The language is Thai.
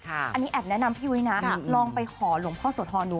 อันนี้แอบแนะนำพี่ยุ้ยนะลองไปขอหลวงพ่อโสธรดู